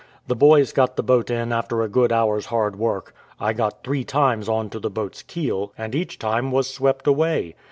The boys got the boat in after a good hour's hard work. I got three times on to the boat's keel, and each time was swept away.